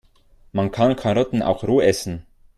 Man kann Karotten auch roh essen.